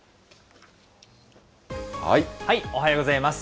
おはようございます。